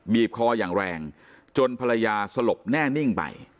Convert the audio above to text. บีบคออย่างแรงจนภรรยาสลบแน่นิ่งไป